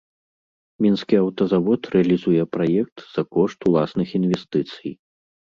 Мінскі аўтазавод рэалізуе праект за кошт уласных інвестыцый.